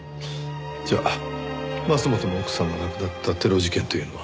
じゃあ桝本の奥さんが亡くなったテロ事件というのは。